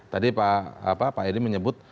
tadi pak edi menyebut